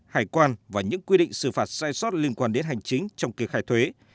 hải quan và những quy định xử phạt sai sót liên quan đến hành chính trong kê khai thuế